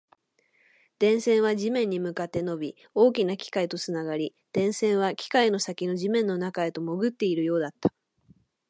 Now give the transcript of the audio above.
電線は地面に向かって伸び、大きな機械とつながり、電線は機械の先の地面の中へと潜っているようだった